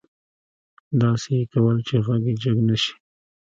داسې يې کول چې غږ يې جګ نه شي.